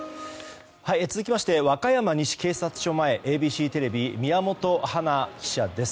続きまして和歌山西警察署前ＡＢＣテレビ、宮本華記者です。